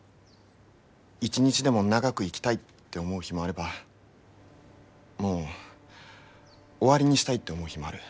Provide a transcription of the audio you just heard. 一日でも長く生きたいって思う日もあればもう終わりにしたいって思う日もある。